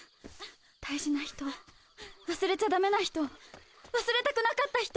大事な人、忘れちゃダメな人忘れたくなかった人。